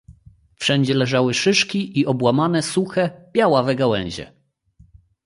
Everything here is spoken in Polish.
"Wszędzie leżały szyszki i obłamane, suche, białawe gałęzie."